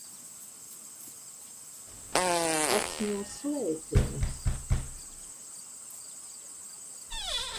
Tas no slēdzenes?